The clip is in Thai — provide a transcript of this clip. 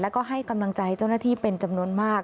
แล้วก็ให้กำลังใจเจ้าหน้าที่เป็นจำนวนมาก